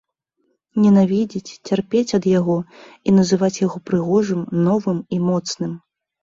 Ненавідзець, цярпець ад яго і называць яго прыгожым, новым і моцным!